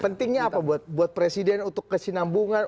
pentingnya apa buat presiden untuk kesinambungan